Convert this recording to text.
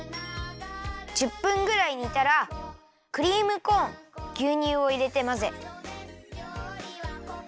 １０分ぐらいにたらクリームコーンぎゅうにゅうをいれてまぜ。